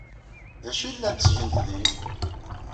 D acu ay llant ttgent din?